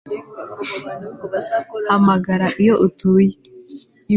hamagara iyo utuye